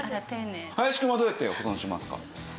林くんはどうやって保存しますか？